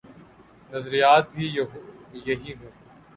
نظریات بھی یہی ہوں۔